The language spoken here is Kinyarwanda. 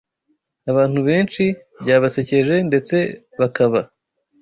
Abantu benshi byabasekeje ndetse bakaba